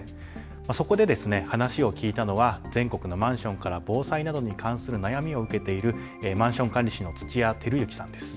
そこで話を聞いたのは全国のマンションから防災などに関する悩みを受けているマンション管理士の土屋輝之さんです。